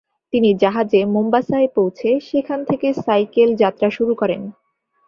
তিনি জাহাজে মোম্বাসায় পৌঁছে সেখান থেকে সাইকেল যাত্রা শুরু করেন।